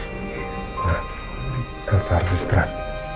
nah elsa harus terat